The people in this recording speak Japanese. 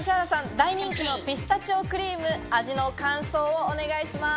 大人気のピスタチオクリーム味の感想をお願いします。